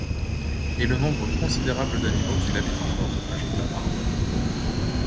Et le nombre considérable d’animaux qui l’habitent encore, ajouta Harbert.